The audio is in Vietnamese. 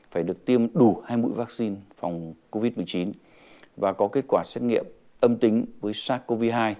phải được tiêm đủ hai mũi vaccine phòng covid một mươi chín và có kết quả xét nghiệm âm tính với sars cov hai